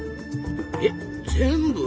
えっ全部？